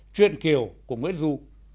truyền kiều của nguyễn du